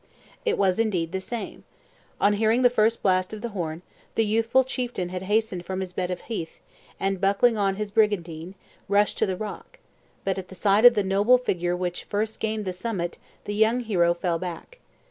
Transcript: It was indeed the same. On hearing the first blast of the horn, the youthful chieftain had hastened from his bed of heath, and buckling on his brigandine, rushed to the rock; but at the sight of the noble figure which first gained the summit, the young hero fell back.